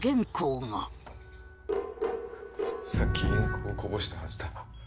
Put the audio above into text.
さっきインクをこぼしたはずだ。